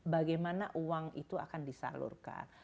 bagaimana uang itu akan disalurkan